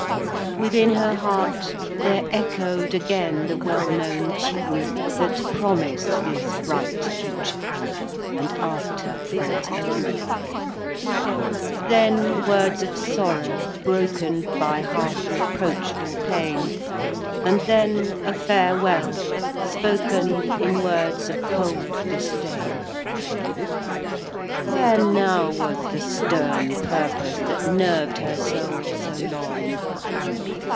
XII. Within her heart there echo'd Again the well known tune That promised this bright future, And ask'd her for its own: Then words of sorrow, broken By half reproachful pain; And then a farewell, spoken In words of cold disdain. XIII. Where now was the stern purpose That nerved her soul so long?